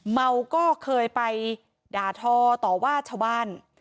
เมาก็เคยไปด่าทอต่อว่าชาวบ้าน